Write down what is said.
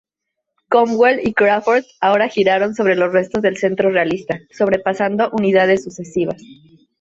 Cromwell y Crawford ahora giraron sobre los restos del centro realista, sobrepasando unidades sucesivas.